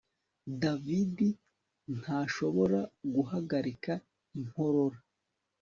David ntashobora guhagarika inkorora